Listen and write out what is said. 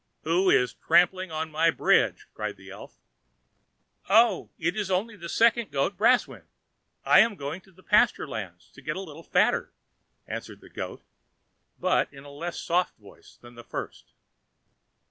"Who is tramping over my bridge?" cried the elf. "Oh! it is only the second goat Brausewind; I am going to the pasture lands to get a little fatter," answered the goat, but in a less soft voice than the first.